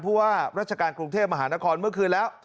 ว่าราชการกรุงเทพมหานครเมื่อคืนแล้ว